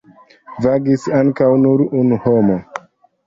Vagis ankoraŭ nur unu homo.